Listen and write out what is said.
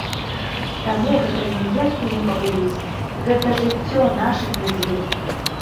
Таму гэта ніякі не папулізм, гэта жыццё нашых людзей.